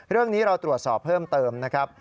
เรื่องนี้เราตรวจสอบเพิ่มเติมนะครับ